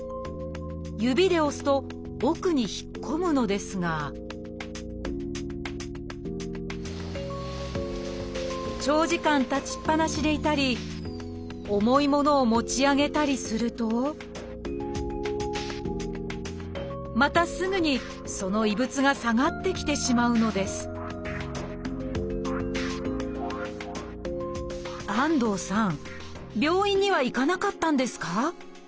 指で押すと奥に引っ込むのですが長時間立ちっぱなしでいたり重い物を持ち上げたりするとまたすぐにその異物が下がってきてしまうのです安藤さん